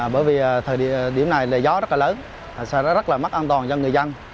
bởi vì thời điểm này là gió rất là lớn sẽ rất là mắc an toàn cho người dân